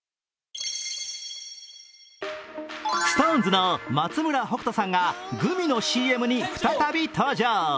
ＳｉｘＴＯＮＥＳの松村北斗さんがグミのＣＭに再び登場。